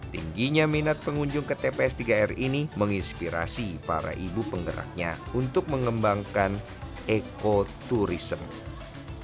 tingginya minat pengunjung ke tps tiga r ini menginspirasi para ibu penggeraknya untuk mengembangkan ekoturisme